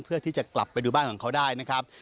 เพื่อที่จะกลับไปดูบ้านของเขาได้นะครับ